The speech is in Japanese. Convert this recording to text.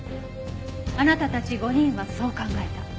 あなたたち５人はそう考えた。